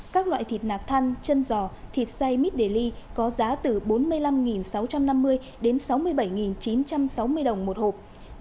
các loại thịt nạc thăn chân giò thịt say mít để ly có giá từ bốn mươi năm sáu trăm năm mươi đến sáu mươi bảy chín trăm sáu mươi đồng một hộp